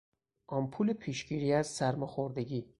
آمپول پیشگیری از سرماخوردگی